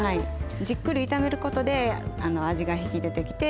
じっくり炒めることであの味が引き出てきて。